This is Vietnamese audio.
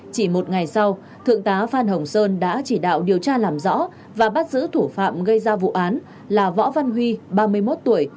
chỉ một ngày sau thượng tá phan hồng sơn đã chỉ đạo điều tra làm rõ và bắt giữ thủ phạm gây ra vụ án là võ văn huy ba mươi một tuổi